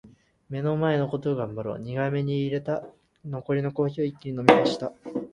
「目の前のことを頑張ろう」苦めに淹れた残りのコーヒーを一気に飲み干した。